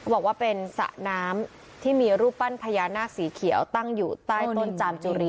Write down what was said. บอกว่าเป็นสระน้ำที่มีรูปปั้นพญานาคสีเขียวตั้งอยู่ใต้ต้นจามจุรี